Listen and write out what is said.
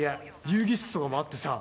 遊戯室とかもあってさ。